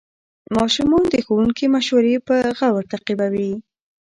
ماشومان د ښوونکي مشورې په غور تعقیبوي